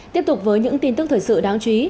tiếp tục với những tin tức thời sự đáng chú ý